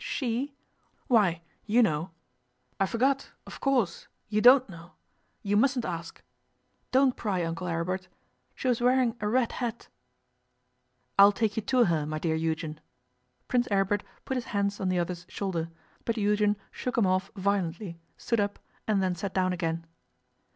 'She! Why, you know! I forgot, of course, you don't know. You mustn't ask. Don't pry, Uncle Aribert. She was wearing a red hat.' 'I'll take you to her, my dear Eugen.' Prince Aribert put his hands on the other's shoulder, but Eugen shook him off violently, stood up, and then sat down again.